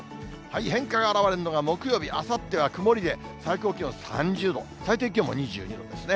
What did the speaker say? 変化があらわれるのが木曜日、あさっては曇りで、最高気温３０度、最低気温も２２度ですね。